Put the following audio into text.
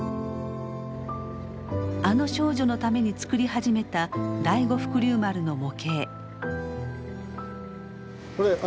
あの少女のために作り始めた第五福竜丸の模型。